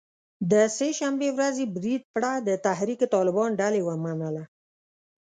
د سه شنبې ورځې برید پړه د تحریک طالبان ډلې ومنله